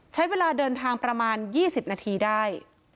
ใช้เวลาเดินทางประมาณ๒๐นาทีได้